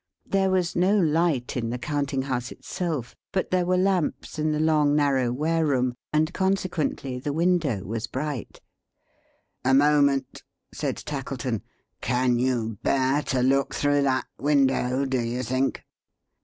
There was no light in the counting house itself, but there were lamps in the long narrow ware room; and consequently the window was bright. "A moment!" said Tackleton. "Can you bear to look through that window, do you think?"